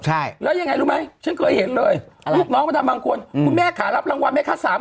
แล้วยังไงรู้ไหมฉันเคยเห็นเลยลูกน้องมาทำบางคนคุณแม่ขาลับรางวัลแม่ขาด๓๐๐๐๐บาทค่ะ